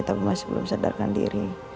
tapi masih belum sadarkan diri